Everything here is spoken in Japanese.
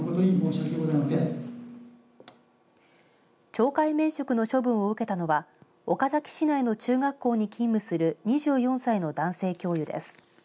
懲戒免職の処分を受けたのは岡崎市内の中学校に勤務する２４歳の男性教諭です。